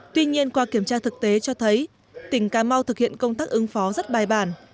tuy nhiên qua kiểm tra thực tế cho thấy tỉnh cà mau thực hiện công tác ứng phó rất bài bản